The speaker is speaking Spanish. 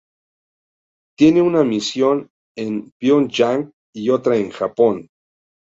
Tiene una misión en Pionyang y otra en Japón.